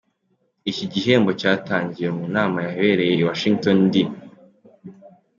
Iki gihembo cyatangiwe mu nama yabereye i Washington D.